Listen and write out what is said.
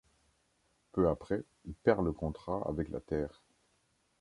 Peu après, il perd le contact avec la Terre.